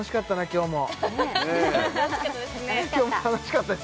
今日も楽しかったです